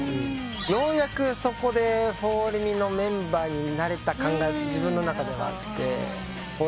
ようやくそこでフォーリミのメンバーになれた感が自分の中ではあって。